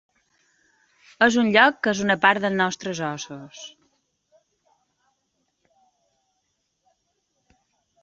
És un lloc ‘que és una part dels nostres ossos’.